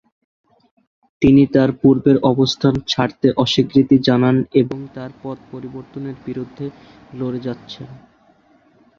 তিনি তার পূর্বের অবস্থান ছাড়তে অস্বীকৃতি জানান এবং তার পদ পরিবর্তনের বিরুদ্ধে লড়ে যাচ্ছেন।